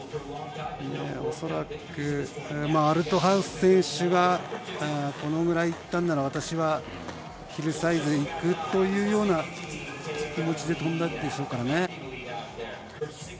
恐らく、アルトハウス選手がこのぐらいいったんなら私はヒルサイズにいくという気持ちで飛んだんでしょうからね。